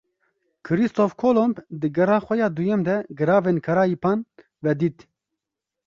Kristof Kolomb, di gera xwe ya duyem de, Giravên Karayîpan vedît